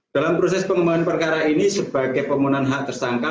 dalam proses pengembangan perkara ini sebagai pemohon hak tersangka